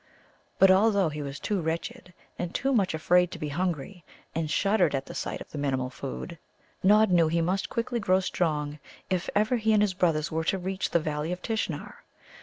But, although he was too wretched and too much afraid to be hungry, and shuddered at sight of the Minimul food, Nod knew he must quickly grow strong if ever he and his brothers were to reach the Valleys of Tishnar.